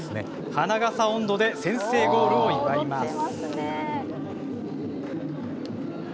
花笠音頭で先制ゴールを祝います。